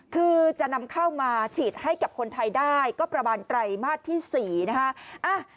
คือจะนำเข้ามาฉีดให้กับคนไทยได้ก็ประมาณไตรมาสที่๔นะคะ